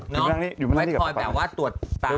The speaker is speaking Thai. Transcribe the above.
ไว้คอยแบบว่าตรวจตา